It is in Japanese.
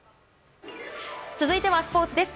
続いてはスポーツです。